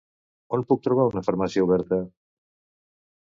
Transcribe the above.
On puc trobar una farmàcia oberta?